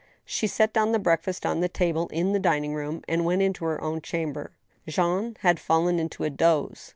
She set down the breakfast on the table in the dining room, and went into her own chamber. ^ Jean had fallen into a doze.